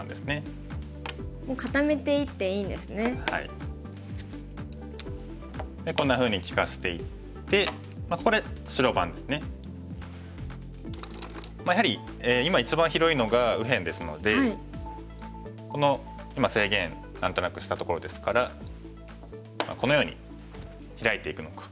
でこんなふうに利かしていってここで白番ですね。やはり今一番広いのが右辺ですのでこの今制限何となくしたところですからこのようにヒラいていくのか。